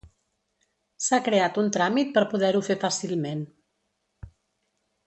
S'ha creat un tràmit per poder-ho fer fàcilment.